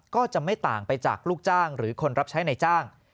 ก็จะไม่ต่างไปจากลูกจ้างหรือคนรับใช้ในจ้าง